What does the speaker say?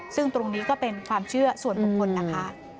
ซึ่งตรงนี้ก็เป็นความเชื่อส่วนบุคคลนะคะ